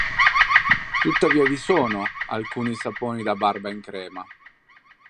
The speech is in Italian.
Tuttavia vi sono, alcuni saponi da barba in crema.